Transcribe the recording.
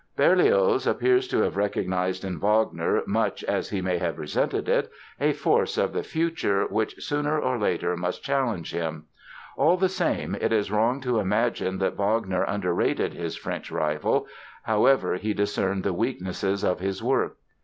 Berlioz appears to have recognized in Wagner, much as he may have resented it, a force of the future which sooner or later must challenge him. All the same, it is wrong to imagine that Wagner underrated his French rival, however he discerned the weaknesses of his work.